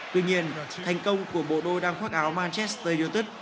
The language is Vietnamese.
tuy nhiên thành công của bộ đôi đam khoác áo manchester yêu thức